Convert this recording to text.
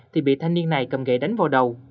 thì bị thanh niên này cầm gậy đánh vào đầu